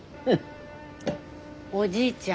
おじいちゃん。